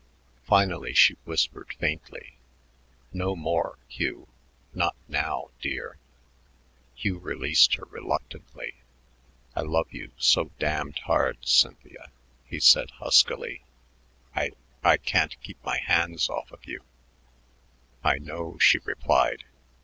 Finally she whispered faintly: "No more, Hugh. Not now, dear." Hugh released her reluctantly. "I love you so damned hard, Cynthia," he said huskily. "I I can't keep my hands off of you." "I know," she replied.